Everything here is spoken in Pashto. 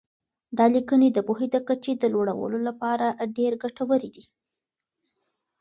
دا لیکنې د پوهې د کچې د لوړولو لپاره ډېر ګټورې دي.